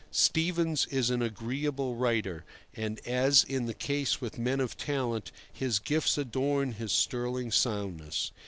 Stevens is an agreeable writer, and, as is the case with men of talent, his gifts adorn his sterling soundness.